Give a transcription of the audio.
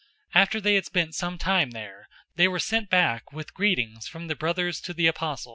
015:033 After they had spent some time there, they were sent back with greetings from the brothers to the apostles.